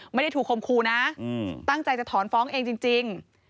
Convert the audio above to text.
ไม่ได้ถูกคมครูนะตั้งใจจะถอนฟ้องเองจริง